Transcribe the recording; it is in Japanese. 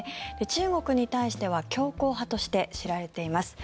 中国に対しては強硬派として知られています。